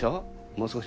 もう少し。